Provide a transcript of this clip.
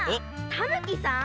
たぬきさん？